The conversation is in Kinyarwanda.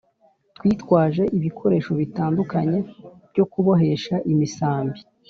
twitwazaga ibikoresho bitandukanye byo kubohesha imisambi